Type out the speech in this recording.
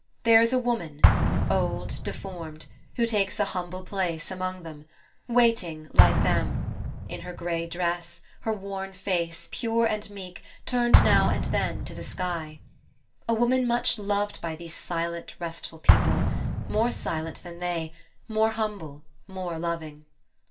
There is a woman, old, deformed, who takes a humble place among them: waiting like them: in her gray dress, her worn face, pure and meek, turned now and then to the sky. A woman much loved by these silent, restful people; more silent than they, more humble, more loving.